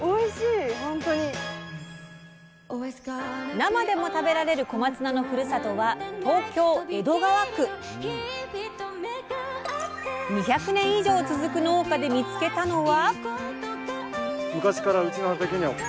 生でも食べられる小松菜のふるさとは２００年以上続く農家で見つけたのは。